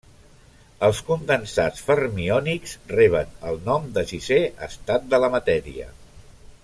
Els condensats fermiònics reben el nom de sisè estat de la matèria.